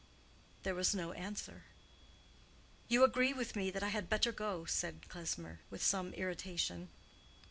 There was no answer. "You agree with me that I had better go?" said Klesmer, with some irritation.